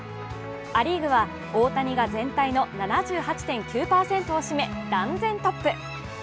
ア・リーグは大谷が全体の７８．９％を占め断然トップ。